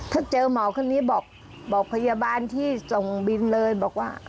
ถ้าเจอหมอคนนี้บอกพยาบาลที่ส่งบินเลยบอกว่า